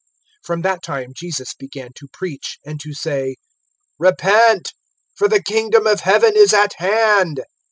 (17)From that time Jesus began to preach, and to say: Repent, for the kingdom of heaven is at hand.